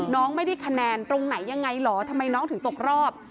น้องไม่ได้คะแนนตรงไหนยังไงเหรอทำไมน้องถึงตกรอบ